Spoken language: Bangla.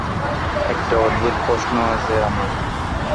একটা অদ্ভুত প্রশ্ন আছে আমার।